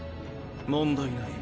問題ない。